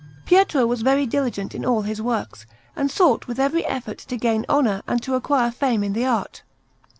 Pietro was very diligent in all his works, and sought with every effort to gain honour and to acquire fame in the art.